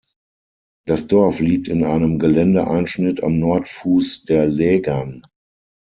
Das Dorf liegt in einem Geländeeinschnitt am Nordfuss der Lägern.